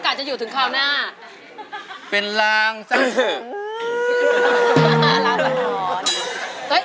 กว่าจะจบรายการเนี่ย๔ทุ่มมาก